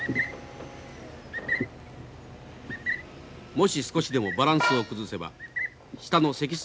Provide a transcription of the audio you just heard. もし少しでもバランスを崩せば下の石室